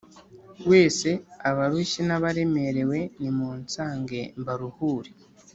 wese abarushye n’abaremerewe nimunsange mbaruhure!